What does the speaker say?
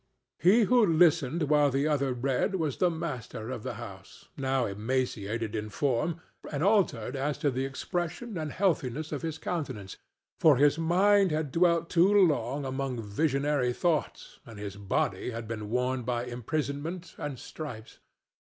He who listened while the other read was the master of the house, now emaciated in form and altered as to the expression and healthiness of his countenance, for his mind had dwelt too long among visionary thoughts and his body had been worn by imprisonment and stripes.